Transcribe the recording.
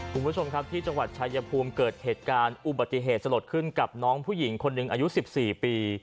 คุณผู้ชมครับที่จังหวัดชายภูมิเกิดเหตุการณ์อุบัติเหตุสลดขึ้นกับน้องผู้หญิงคนหนึ่งอายุ๑๔ปี